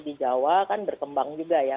di jawa kan berkembang juga ya